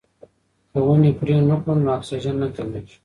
که ونې پرې نه کړو نو اکسیجن نه کمیږي.